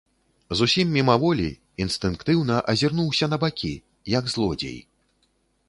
Зусім мімаволі, інстынктыўна азірнуўся на бакі, як злодзей.